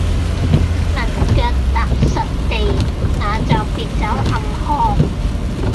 能腳踏實地，那就別走暗巷。